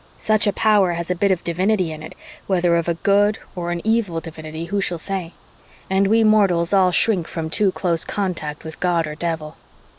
Such a power has a bit of divinity in it whether of a good or an evil divinity who shall say? And we mortals all shrink from too close contact with God or devil.'